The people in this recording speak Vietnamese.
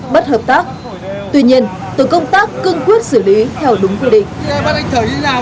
bất hợp tác tuy nhiên tổ công tác cưng quyết xử lý theo đúng quy định